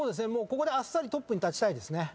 ここであっさりトップに立ちたいですね。